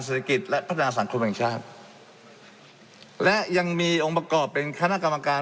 เศรษฐกิจและพัฒนาสังคมแห่งชาติและยังมีองค์ประกอบเป็นคณะกรรมการ